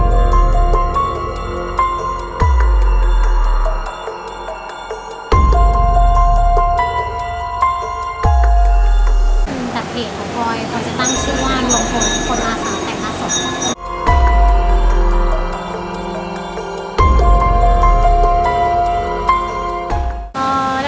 ดักเอกของพลอยก็จะตั้งชื่อว่าโรงผลคนอาศักดิ์แข่งอาศักดิ์